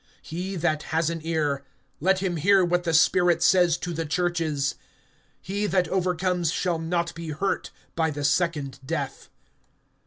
(11)He that has an ear, let him hear what the Spirit says to the churches. He that overcomes shall not be hurt by the second death.